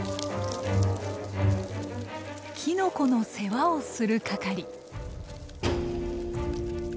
キノコの世話をする係。